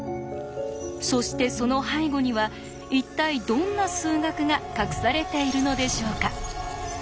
そしてその背後には一体どんな数学が隠されているのでしょうか？